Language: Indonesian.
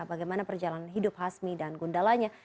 bagaimana perjalanan hidup hasmi dan gundalanya